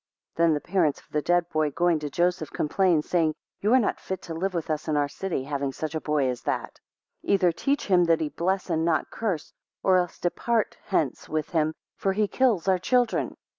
11 Then the parents of the dead boy going to Joseph, complained, saying, You are not fit to live with us, in our city, having such a boy as that: 12 Either teach him that he bless and not curse, or else depart hence with him, for he kills our children.